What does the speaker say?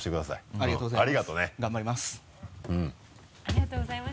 ありがとね。